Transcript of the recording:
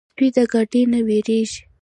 سپي د ګاډي نه وېرېږي.